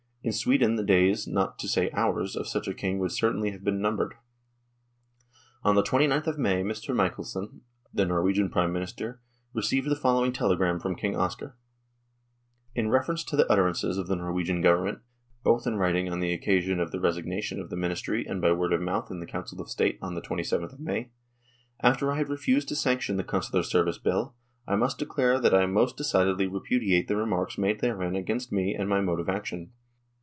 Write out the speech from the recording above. In Sweden the days, not to say hours, of such a King would certainly have been numbered." On the 2Qth of May Mr. Michelsen, the Norwegian Prime Minister, received the following telegram from King Oscar :" In reference to the utterances of the Norwegian Government, both in writing on the occasion of the resignation of the Ministry and by word of mouth in the Council of State on the 2/th of May, after I had refused to sanction the Consular Service Bill, I must declare that I most decidedly repudiate the remarks made therein against me and my mode of action.